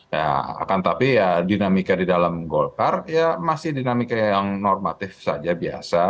ya akan tapi ya dinamika di dalam golkar ya masih dinamika yang normatif saja biasa